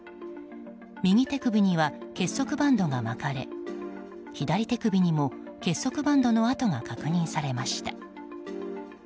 右手首には結束バンドが巻かれ左手首にも結束バンドの痕が確認されました。